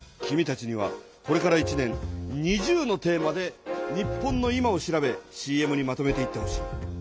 君たちにはこれから１年２０のテーマで日本の今を調べＣＭにまとめていってほしい。